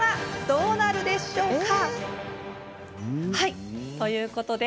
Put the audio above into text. どうでしょうか。